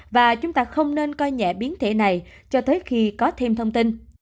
và chúng ta không nên coi nhẹ biến thể này cho tới khi có thêm thông tin